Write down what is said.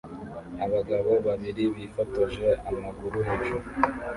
abagabo babiri bifotoje amaguru hejuru